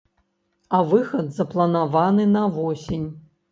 А выхад запланаваны на восень.